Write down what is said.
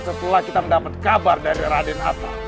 setelah kita mendapat kabar dari raden atta